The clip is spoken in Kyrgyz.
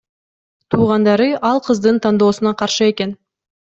Туугандары ал кыздын тандоосуна каршы экен.